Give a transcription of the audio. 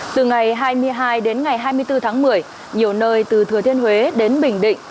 từ ngày hai mươi hai đến ngày hai mươi bốn tháng một mươi nhiều nơi từ thừa thiên huế đến bình định